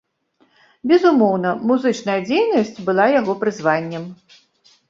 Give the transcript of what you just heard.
Безумоўна, музычная дзейнасць была яго прызваннем.